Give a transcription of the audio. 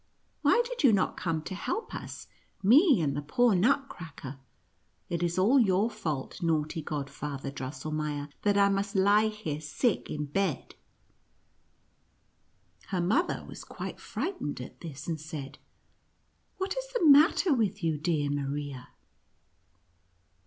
Why did you not come to help us ; me, and the poor Nutcracker ? It is all your fault, naughty Godfather Drosselmeier, that I must he here sick in bed." Her mother was quite frightened at this, and said, " What is the matter with you, dear Maria